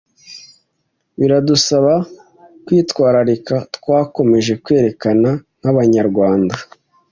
biradusaba kwitwararika twakomeje kwerekana nk’abanyarwanda